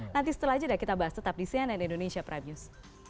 nanti setelah jeda kita bahas tetap di cnn indonesia prime news